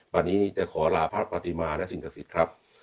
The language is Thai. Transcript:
วันนี้จะขอลาพระปฏิมาณ์และสิ่งกักษิติครับ